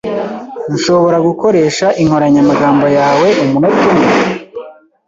Nshobora gukoresha inkoranyamagambo yawe umunota umwe?